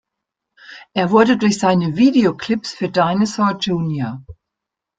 Er wurde durch seine Video Clips für Dinosaur Jr.